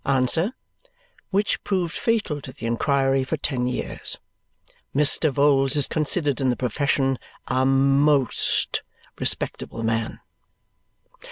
Answer:" which proved fatal to the inquiry for ten years "Mr. Vholes is considered, in the profession, a MOST respectable man."